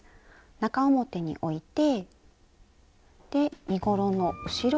中表に置いて身ごろの後ろ